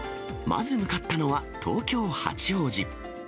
まず向かったのは、東京・八王子。